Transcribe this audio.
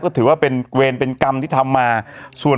กะว้าว